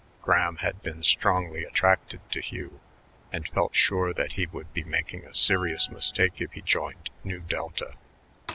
Graham had been strongly attracted to Hugh and felt sure that he would be making a serious mistake if he joined Nu Delta.